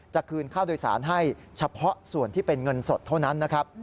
คืนค่าโดยสารให้เฉพาะส่วนที่เป็นเงินสดเท่านั้นนะครับ